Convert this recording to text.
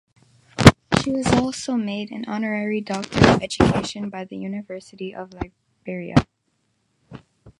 She was also made an honorary Doctor of Education by the University of Liberia.